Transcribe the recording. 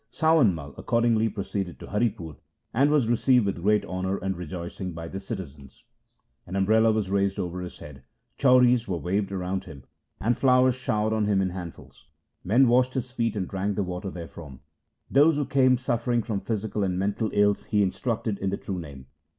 Sawan Mai accordingly proceeded to Haripur and was received with great honour and rejoicing by the citizens. An umbrella was raised over his head, chauris were waved around him, and flowers showered on him in handfuls. Men washed his feet and drank the water therefrom. Those who came suffering from physical and mental ills he instructed in the True Name.